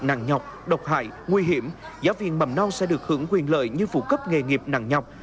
nặng nhọc độc hại nguy hiểm giáo viên mầm non sẽ được hưởng quyền lợi như phụ cấp nghề nghiệp nặng nhọc